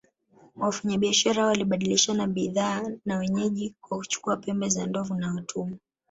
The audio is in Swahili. Wafanyabiashara hao walibadilishana bidhaa na wenyeji kwa kuchukua pembe za ndovu na watumwa